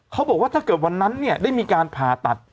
เขาบอกว่าถ้าเกิดวันนั้นเนี่ยได้มีการผ่าตัด